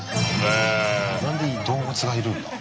なんで動物がいるんだ？